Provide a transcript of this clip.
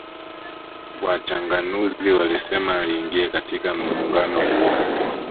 Wachanganuzi walisema aliingia katika muungano huo